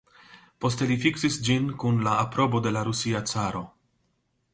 Poste li fiksis ĝin kun la aprobo de la Rusia Caro.